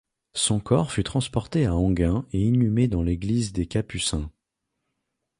Son corps fut transporté à Enghien et inhumé dans l’église des Capucins.